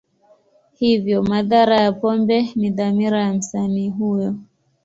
Hivyo, madhara ya pombe ni dhamira ya msanii huyo.